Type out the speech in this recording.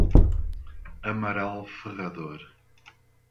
Amaral Ferrador